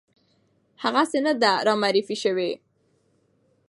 هغسې نه ده رامعرفي شوې